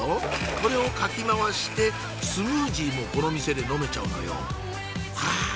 これをかき回してスムージーもこの店で飲めちゃうのよはぁ！